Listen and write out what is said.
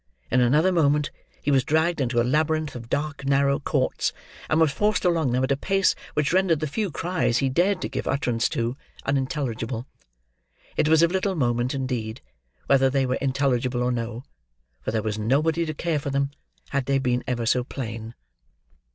In another moment he was dragged into a labyrinth of dark narrow courts, and was forced along them at a pace which rendered the few cries he dared to give utterance to, unintelligible. It was of little moment, indeed, whether they were intelligible or no; for there was nobody to care for them, had they been ever so plain.